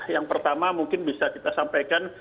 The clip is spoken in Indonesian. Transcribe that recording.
yang pertama mungkin bisa kita sampaikan